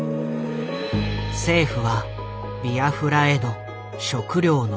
政府はビアフラへの食料の供給を遮断。